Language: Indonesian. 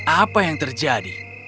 apa yang terjadi